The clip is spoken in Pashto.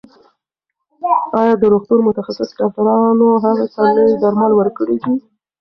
ایا د روغتون متخصص ډاکټرانو هغې ته نوي درمل ورکړي دي؟